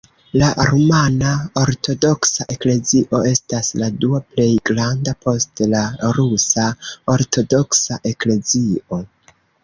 La Rumana Ortodoksa Eklezio estas la dua plej granda post la Rusa Ortodoksa Eklezio.